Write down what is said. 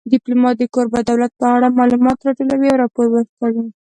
ډیپلومات د کوربه دولت په اړه معلومات راټولوي او راپور ورکوي